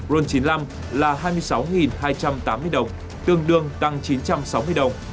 ron chín mươi năm là hai mươi sáu hai trăm tám mươi đồng tương đương tăng chín trăm sáu mươi đồng